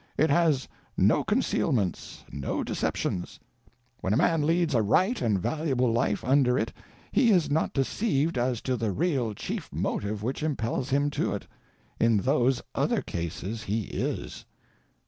It has no concealments, no deceptions. When a man leads a right and valuable life under it he is not deceived as to the _real _chief motive which impels him to it—in those other cases he is.